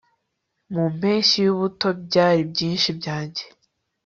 Mu mpeshyi yubuto byari byinshi byanjye